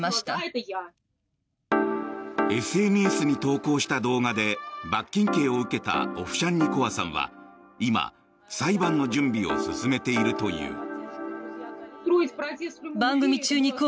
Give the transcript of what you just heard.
ＳＮＳに投稿した動画で罰金刑を受けたオフシャンニコワさんは今、裁判の準備を進めているという。